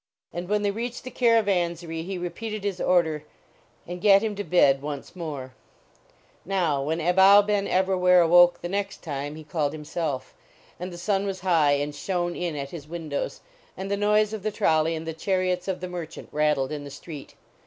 And when they reached the caravanserai he repeated his order and gat him to bed once more. Now, when Abou Ben Evrawhair awoke the next time, he called himself. And the sun was high and shone in at his windows ; and the noise of the trolley and the chariots of the merchant rattled in the street.